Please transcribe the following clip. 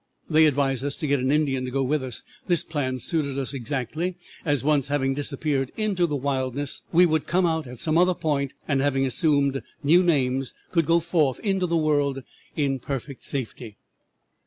They advised us to get an Indian to go with us. This plan suited us exactly, as once having disappeared in the wilderness we could come out at some other point, and having assumed new names could go forth into the world in perfect safety.